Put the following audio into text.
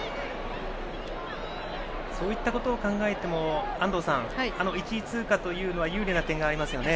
そういったことを考えても安藤さん、１位通過というのは有利な点がありますよね。